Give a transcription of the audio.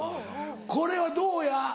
これはどうや？